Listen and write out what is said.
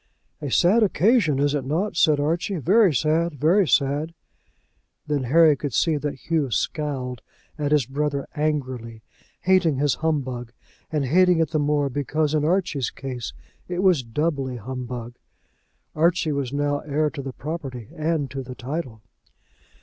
"A sad occasion; is it not?" said Archie; "very sad; very sad." Then Harry could see that Hugh scowled at his brother angrily, hating his humbug, and hating it the more because in Archie's case it was doubly humbug. Archie was now heir to the property and to the title.